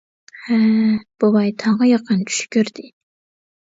ھە، بوۋاي تاڭغا يېقىن چۈش كۆردى.